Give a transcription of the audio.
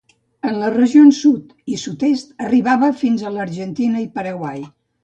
En les regions sud i sud-est arribava fins a l'Argentina i Paraguai.